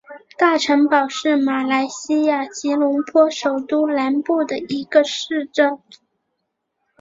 大城堡是马来西亚吉隆坡首都南部的一个市镇。